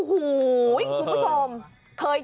โอ้โหคุณผู้ชมเคย